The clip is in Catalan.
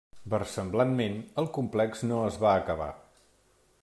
Versemblantment, el complex no es va acabar.